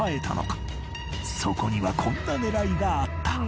そこにはこんな狙いがあった